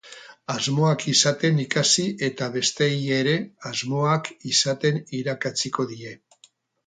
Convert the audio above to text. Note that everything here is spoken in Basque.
Asmoak izaten ikasi eta besteei ere asmoak izaten irakatsiko die.